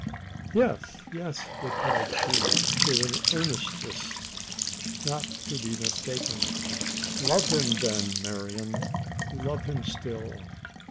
"Yes, yes!" replied she, with an earnestness not to be mistaken. "Love him, then, Marian! love him still!